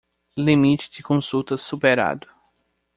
Limite de consultas superado.